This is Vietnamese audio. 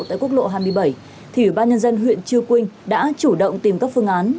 tại quốc lộ hai mươi bảy thì ủy ban nhân dân huyện chư quynh đã chủ động tìm các phương án